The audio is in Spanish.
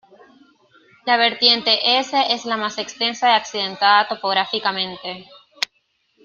La vertiente S es la más extensa y accidentada topográficamente.